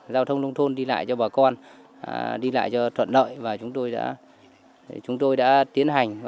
giao thông đông thôn đi lại cho bà con đi lại cho thuận nợi và chúng tôi đã tiến hành